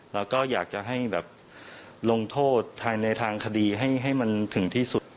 เราก็อยากจะให้แบบลงโทษในทางคดีให้มันถึงที่สุด